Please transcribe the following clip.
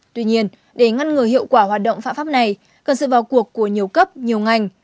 tuy nhiên để ngăn ngừa hiệu quả hoạt động phạm pháp này cần sự vào cuộc của nhiều cấp nhiều ngành